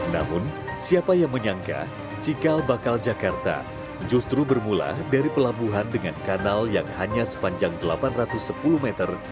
namun siapa yang menyangka cikal bakal jakarta justru bermula dari pelabuhan dengan kanal yang hanya sepanjang delapan ratus sepuluh meter